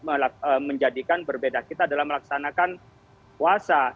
nah perbedaan itulah yang menjadikan berbeda kita dalam melaksanakan puasa